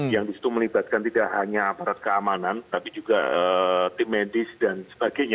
yang di situ melibatkan tidak hanya para keamanan tapi juga tim medis dan sebagainya